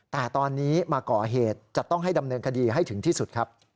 แต่ตอนนี้มาก่อเหตุจะต้องให้ดำเนินคดีให้ถึงที่สุดครับ